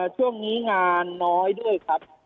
ช่วงนี้งานน้อยด้วยครับ